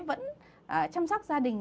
vẫn chăm sóc gia đình